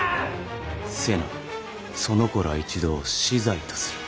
瀬名その子ら一同死罪とする。